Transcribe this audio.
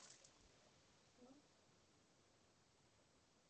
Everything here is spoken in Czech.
Dá se vůbec použít pro příbřežní mořská prostředí?